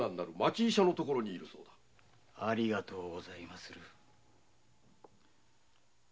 ありがとうございます。